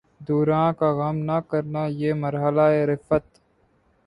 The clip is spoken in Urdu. دوراں کا غم نہ کرنا، یہ مرحلہ ء رفعت